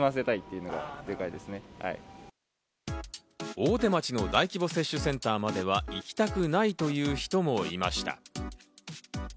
大手町の大規模接種センターまでは行きたくないという人もいました。